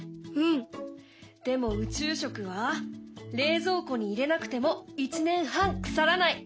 でも宇宙食は冷蔵庫に入れなくても１年半腐らない。